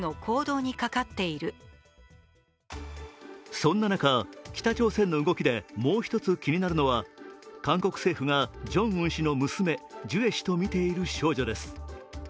そんな中、北朝鮮の動きでもう一つ気になるのは韓国政府がジョンウン氏の娘ジュエ氏とみている少女です。